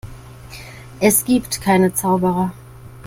Es gibt keine Zauberer.